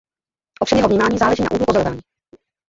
Ovšem jeho vnímání záleží na úhlu pozorování.